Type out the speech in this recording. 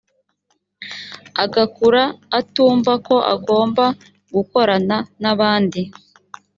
agakura atumva ko agomba gukorana n’abandi